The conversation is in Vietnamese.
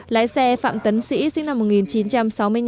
lái xe phạm tấn sĩ sinh năm một nghìn chín trăm sáu mươi năm